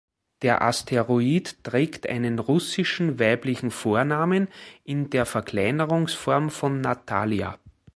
Der Asteroid trägt einen russischen weiblichen Vornamen in der Verkleinerungsform von Natalia.